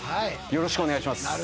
よろしくお願いします。